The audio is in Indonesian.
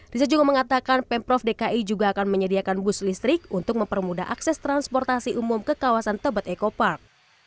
riza juga mengatakan pemprov dki juga akan menyediakan bus listrik untuk mempermudah akses transportasi umum ke kawasan tebet eco park